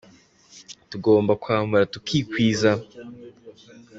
Tugomba kwambara tu kikwiza.